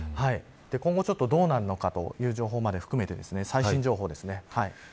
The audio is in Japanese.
今後、どうなるのかという情報まで含めて最新情報です。